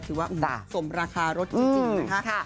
ถือว่าสมราคารถจริงนะคะ